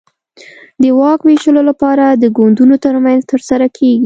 د واک وېشلو لپاره د ګوندونو ترمنځ ترسره کېږي.